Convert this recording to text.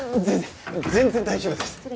全然全然大丈夫です。